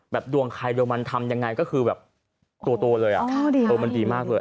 แบบดวงใครเดี๋ยวมันทำยังไงก็คือแบบตัวตัวเลยอ่ะโอ้เดี๋ยวมันดีมากเลย